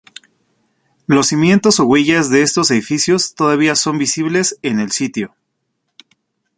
Los cimientos o huellas de estos edificios todavía son visibles en el sitio.